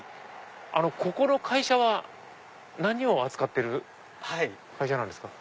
ここの会社は何を扱ってる会社なんですか？